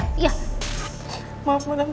maaf nanti aku bisa berdampak